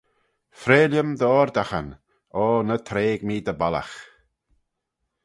Freill-ym dty oardaghyn: O ny treig mee dy bollagh.